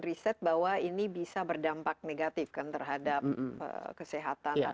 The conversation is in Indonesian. riset bahwa ini bisa berdampak negatif kan terhadap kesehatan